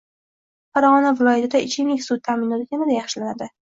Farg‘ona viloyatida ichimlik suvi ta’minoti yanada yaxshilanadi